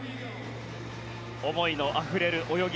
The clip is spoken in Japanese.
思いのあふれる泳ぎ。